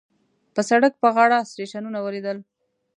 په سړک په غاړو سټیشنونه وليدل.